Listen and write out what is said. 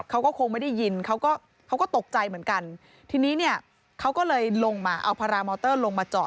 เขาก็คงไม่ได้ยินเขาก็เขาก็ตกใจเหมือนกันทีนี้เนี่ยเขาก็เลยลงมาเอาพารามอเตอร์ลงมาจอด